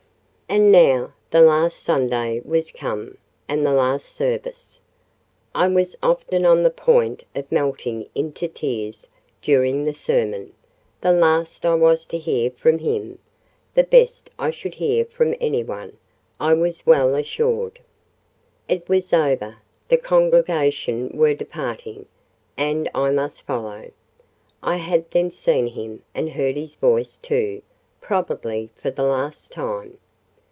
And now, the last Sunday was come, and the last service. I was often on the point of melting into tears during the sermon—the last I was to hear from him: the best I should hear from anyone, I was well assured. It was over—the congregation were departing; and I must follow. I had then seen him, and heard his voice, too, probably for the last time.